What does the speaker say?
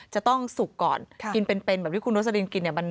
จะต้องสุกก่อนกินเป็นแบบที่คุณโรสลินกินเนี่ย